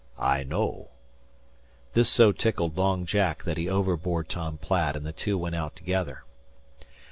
I know." This so tickled Long Jack that he overbore Tom Platt and the two went out together.